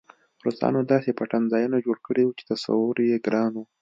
روسانو داسې پټنځایونه جوړ کړي وو چې تصور یې ګران و